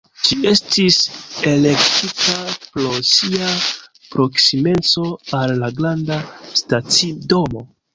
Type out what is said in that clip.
Ĝi estis elektita pro sia proksimeco al la granda stacidomo.